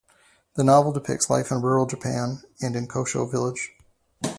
The novel depicts life in rural Japan and in Kossho Village.